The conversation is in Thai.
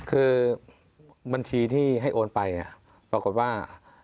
คือบัญชีที่ให้โอนไปปรากฏว่า